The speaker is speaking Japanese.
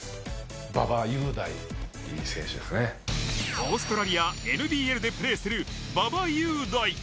オーストラリアＮＢＬでプレーする馬場雄大。